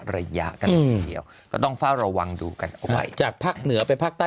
ระยะกันเลยทีเดียวก็ต้องเฝ้าระวังดูกันเอาไว้จากภาคเหนือไปภาคใต้